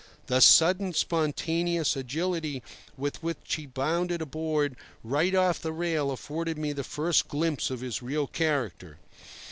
The sudden, spontaneous agility with which he bounded aboard right off the rail afforded me the first glimpse of his real character.